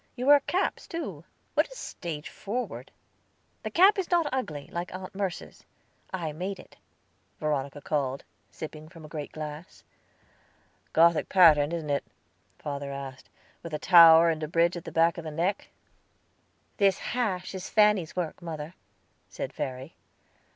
You wear caps, too! What a stage forward!" "The cap is not ugly, like Aunt Merce's; I made it," Veronica called, sipping from a great glass. "Gothic pattern, isn't it?" father asked, "with a tower, and a bridge at the back of the neck?" "This hash is Fanny's work, mother," said Verry.